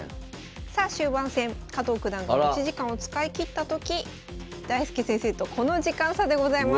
さあ終盤戦加藤九段が持ち時間を使い切った時大介先生とこの時間差でございます。